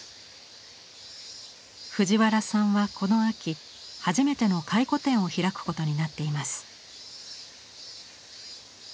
藤原さんはこの秋初めての回顧展を開くことになっています。